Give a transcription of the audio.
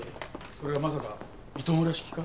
それはまさか糸村式か？